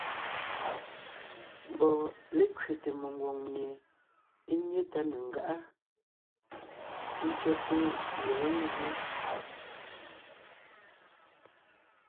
Mbɔɔ lékẅéte mengwòŋ mie é nyé tá ne ńgáʼa, ńtsẅɛ́te yɛ̌ njǔ.